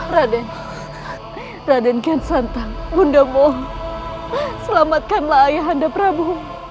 raden raden kiansantang bunda mohon selamatkanlah ayah anda prabu